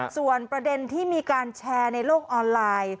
ส่วนประเด็นที่มีการแชร์ในโลกออนไลน์